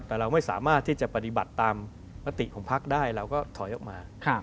แต่เราไม่สามารถที่จะปฏิบัติตามมติของพักได้เราก็ถอยออกมา